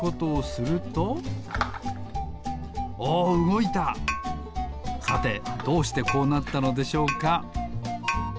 さてどうしてこうなったのでしょうか？